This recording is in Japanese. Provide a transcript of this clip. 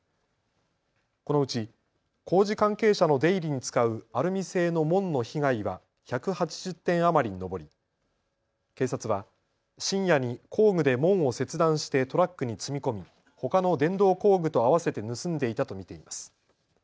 このうち工事関係者の出入りに使うアルミ製の門の被害は１８０点余りに上り警察は深夜に工具で門を切断してトラックに積み込みほかの電動工具と合わせて盗んでいたと見ています。